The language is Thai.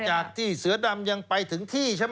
จากที่เสือดำยังไปถึงที่ใช่ไหม